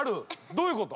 どういうこと？